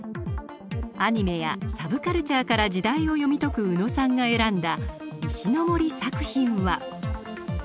アニメやサブカルチャーから時代を読み解く宇野さんが選んだ石森作品は？